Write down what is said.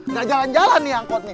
nggak jalan jalan nih angkot nih